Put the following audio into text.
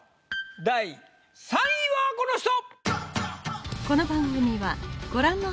第３位はこの人！